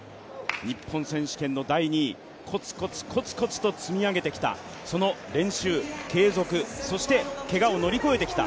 日本選手権の第２位、コツコツ、コツコツと積み上げてきた、その練習、継続、そしてけがを乗り越えてきた。